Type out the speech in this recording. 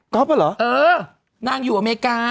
ก็เหรอเออนางอยู่อเมริกา